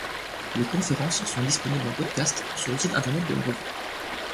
Les conférences sont disponibles en podcast sur le site Internet de la revue.